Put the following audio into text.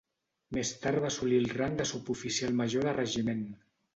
Més tard va assolir el rang de suboficial major de regiment.